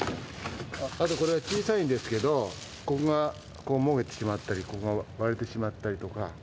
あとこれは小さいんですけど、ここがもげてしまったり、ここが割れてしまったりとか。